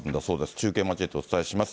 中継交えてお伝えします。